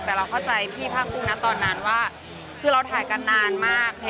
แต่เราเข้าใจพี่ภาคภูมินะตอนนั้นว่าคือเราถ่ายกันนานมาก